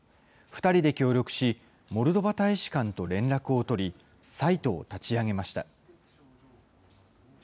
２人で協力し、モルドバ大使館と連絡を取り、サイトを立ち上げました。